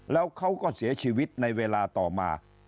แล้วเขาก็เสียชีวิตในเวลาต่อมา